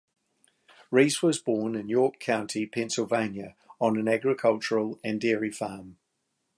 Reese was born in York County, Pennsylvania on an agricultural and dairy farm.